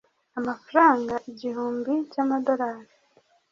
amafaranga igihumbi cy’amadorari.